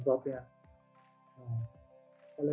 kalo yang bakteri ya macem lah